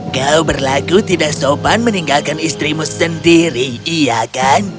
kau berlaku tidak sopan meninggalkan istrimu sendiri iya kan